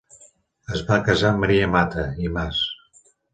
Es va casar amb Maria Mata i Mas.